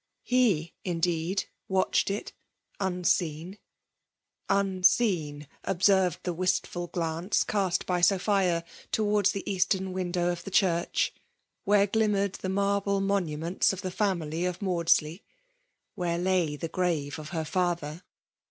He^ indeed, watched it, un seen ;— unseen observed the wistful glance cast by Sophia towards the eastern window of the ckurch> where glimmered the marble monu' ments of the family of Maudsley — wheie FKtfALE DOMINATION. 1L5 lay the grave of her father.